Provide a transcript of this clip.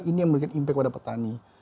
ini yang memberikan impact pada petani